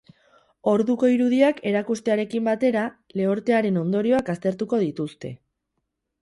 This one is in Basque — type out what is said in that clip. Orduko irudiak erakustearekin batera, lehortearen ondorioak aztertuko dituzte.